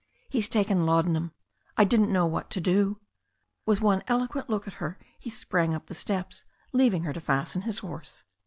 "He's taken laudanum. I didn't know what to do." With one eloquent look at her he sprang up the steps, leaving her to fasten his horse.